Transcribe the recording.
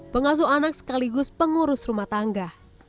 pengasuh anak sekaligus pengurus rumah tangga